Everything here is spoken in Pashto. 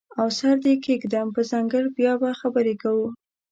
او سر دې کیږدم په څنګل بیا به خبرې کوو